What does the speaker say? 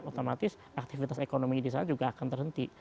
otomatis aktivitas ekonomi di sana juga akan terhenti